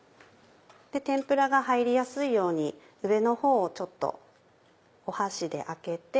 天ぷらが入りやすいように上のほうをちょっと箸で開けて